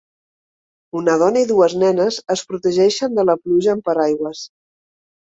Una dona i dues nenes es protegeixen de la pluja amb paraigües.